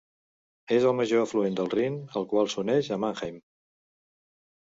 És el major afluent del Rin, al qual s'uneix a Mannheim.